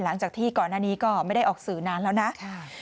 หลังจากที่ก่อนหน้านี้ก็ไม่ได้ออกสื่อนานแล้วนะ